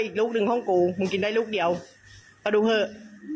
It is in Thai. อีกลูกหนึ่งห้องกูมึงกินได้ลูกเดียวเอาดูเถอะ